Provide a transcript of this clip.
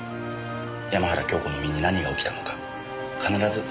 山原京子の身に何が起きたのか必ず突き止める。